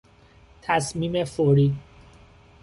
تصمیم فوری